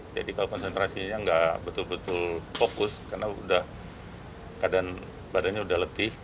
jadi kalau konsentrasinya nggak betul betul fokus karena badannya udah letih